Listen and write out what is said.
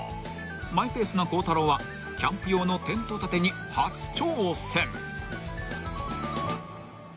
［マイペースな孝太郎はキャンプ用のテント建てに初挑戦］